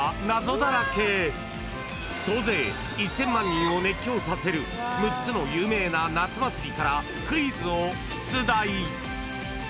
［総勢１，０００万人を熱狂させる６つの有名な夏祭りからクイズを出題］